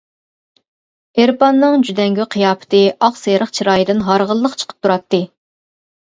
ئېرپاننىڭ جۈدەڭگۈ قىياپىتى، ئاق سېرىق چىرايىدىن ھارغىنلىق چىقىپ تۇراتتى.